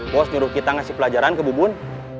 bos nyuruh kita ngasih pelajaran ke bubun